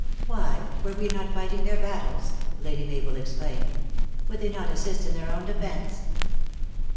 "Why, were we not fighting their battles?" Lady Mabel exclaimed. "Would they not assist in their own defence?"